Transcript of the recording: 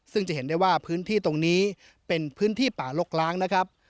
ซึ่งจะเห็นได้ว่าพื้นที่ตรงนี้เป็นพื้นที่ป่าลกล้างนะครับ